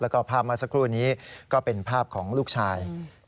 แล้วก็ภาพเมื่อสักครู่นี้ก็เป็นภาพของลูกชาย